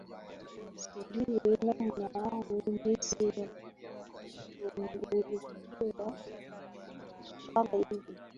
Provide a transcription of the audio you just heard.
Sijui namna au jinsi ya kushughulikia swala hili